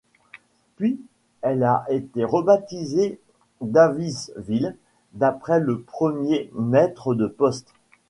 Puis elle a été rebaptisée Davisville, d’après le premier maître de poste.